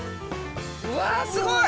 うわすごい！